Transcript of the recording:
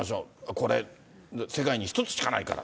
これ、世界に一つしかないから。